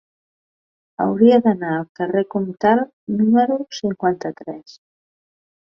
Hauria d'anar al carrer Comtal número cinquanta-tres.